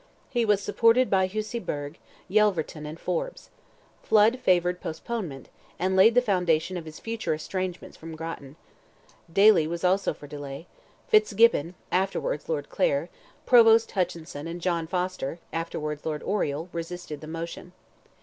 He was supported by Hussey Burgh, Yelverton, and Forbes; Flood favoured postponement, and laid the foundation of his future estrangement from Grattan; Daly was also for delay; Fitzgibbon, afterwards Lord Clare, Provost Hutchinson, and John Foster, afterwards Lord Oriel, resisted the motion.